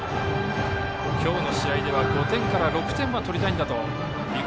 今日の試合では５点から６点は取りたいんだと龍谷